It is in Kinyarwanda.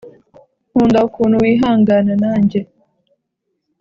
nkunda ukuntu wihangana nanjye